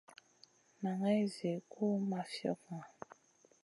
Naŋay zi gu ma fiogŋa.